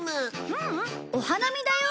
ううんお花見だよ。